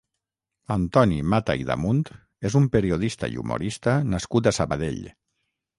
Antoni Mata i Damunt és un periodista i humorista nascut a Sabadell.